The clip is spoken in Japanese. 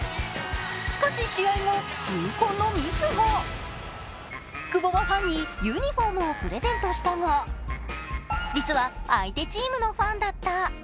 しかし、試合後、痛恨のミスが久保はファンにユニフォームをプレゼントしたが、実は相手チームのファンだった。